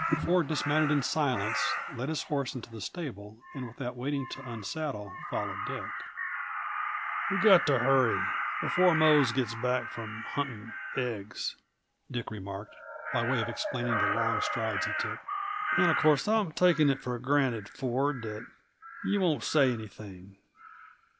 Ford dismounted in silence, led his horse into the stable, and without waiting to unsaddle, followed Dick. "We've got to hurry, before Mose gets back from hunting eggs," Dick remarked, by way of explaining the long strides he took. "And of course I'm taking it for granted, Ford, that you won't say anything.